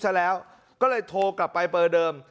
ซะแล้วก็เลยโทรกลับไปเบอร์เดิม